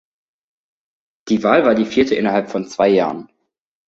Die Wahl war die vierte innerhalb von zwei Jahren.